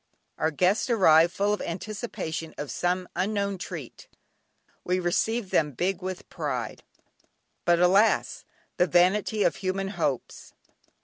Our guests arrived full of anticipation of some unknown treat; we received them "big with pride." But alas! the vanity of human hopes.